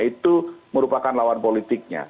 itu merupakan lawan politiknya